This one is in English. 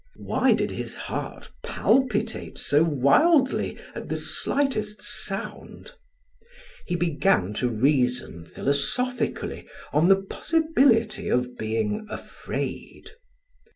Why did his heart palpitate so wildly at the slightest sound? He began to reason philosophically on the possibility of being afraid.